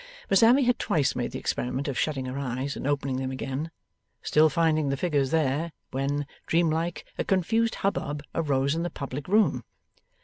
Miss Abbey had twice made the experiment of shutting her eyes and opening them again, still finding the figures there, when, dreamlike, a confused hubbub arose in the public room.